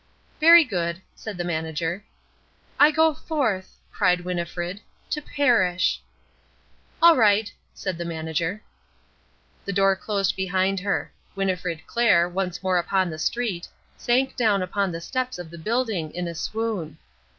"Very good," said the manager. "I go forth," cried Winnifred, "to perish." "All right," said the manager. The door closed behind her. Winnifred Clair, once more upon the street, sank down upon the steps of the building in a swoon.